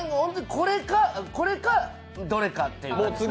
これかどれかっていう。